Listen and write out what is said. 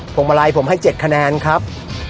วงมาลัยผมให้๗คะแนนครับ